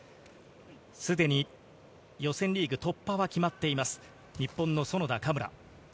すでに予選リーグ突破は決まっています、日本の園田・嘉村。